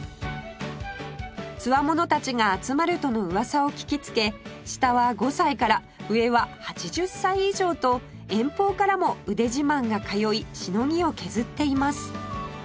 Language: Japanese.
つわものたちが集まるとの噂を聞きつけ下は５歳から上は８０歳以上と遠方からも腕自慢が通いしのぎを削っています